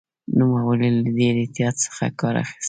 نوموړي له ډېر احتیاط څخه کار اخیست.